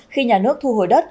khi nhà nước thu hồi đất